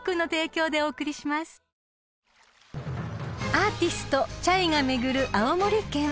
［アーティストｃｈａｙが巡る青森県］